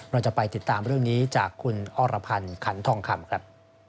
เราจะไปติดตามเรื่องนี้จากคุณอรพันธ์ขันทองคำครับ